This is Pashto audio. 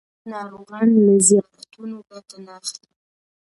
ناروغان له زیارتونو ګټه نه اخلي.